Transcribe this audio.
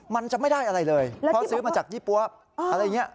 มันจะไม่ได้อะไรเลยเพราะซื้อมาจากยี่ปั๊วอะไรอย่างนี้